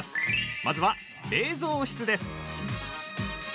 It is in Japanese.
まずは、冷蔵室です。